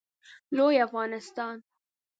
لوی افغانستان